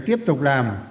tiếp tục làm